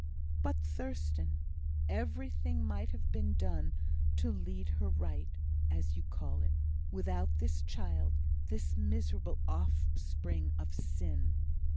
"But, Thurstan, everything might have been done to 'lead her right' (as you call it), without this child, this miserable offspring of sin."